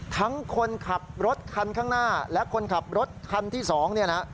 ทั้งคนขับรถคันข้างหน้าและคนขับรถคันที่๒เนี่ยนะ